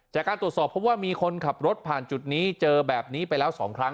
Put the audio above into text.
จากการตรวจสอบเพราะว่ามีคนขับรถผ่านจุดนี้เจอแบบนี้ไปแล้ว๒ครั้ง